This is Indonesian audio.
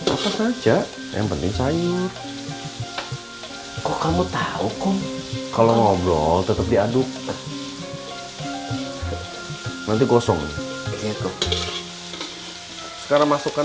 apa saja yang penting cair kok kamu tahu kok kalau ngobrol tetap diaduk nanti gosong sekarang masukkan